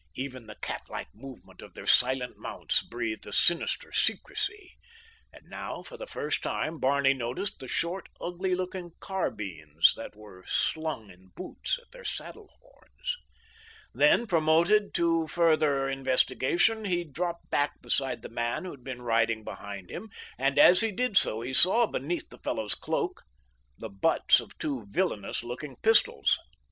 Even the cat like movement of their silent mounts breathed a sinister secrecy, and now, for the first time, Barney noticed the short, ugly looking carbines that were slung in boots at their saddle horns. Then, prompted to further investigation, he dropped back beside the man who had been riding behind him, and as he did so he saw beneath the fellow's cloak the butts of two villainous looking pistols.